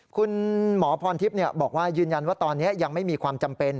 คุณหมอพรทิพย์บอกว่ายืนยันว่าตอนนี้ยังไม่มีความจำเป็น